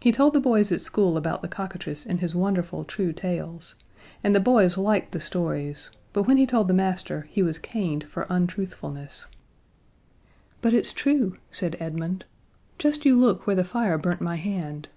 He told the boys at school about the cockatrice and his wonderful true tales, and the boys liked the stories; but when he told the master he was caned for untruthfulness. "But it's true," said Edmund. "Just you look where the fire burnt my hand."